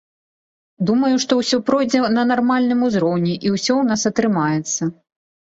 Думаю, што ўсё пройдзе на нармальным узроўні, і ўсё ў нас атрымаецца!